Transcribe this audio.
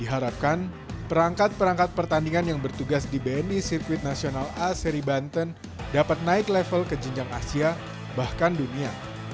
diharapkan perangkat perangkat pertandingan yang bertugas di bni sirkuit nasional a seri banten dapat naik level ke jenjang asia bahkan dunia